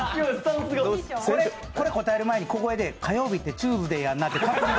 これ答える前に小声で火曜日ってチューズデーやんなって。